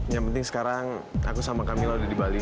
yang penting sekarang aku sama kamila udah di bali